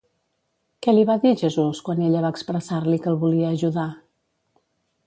Què li va dir Jesús quan ella va expressar-li que el volia ajudar?